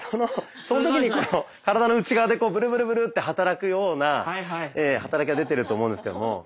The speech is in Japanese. その時にこの体の内側でブルブルブルって働くような働きが出てると思うんですけれども。